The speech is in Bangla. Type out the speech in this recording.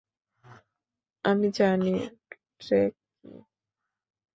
আমি জানি ট্রেক কি!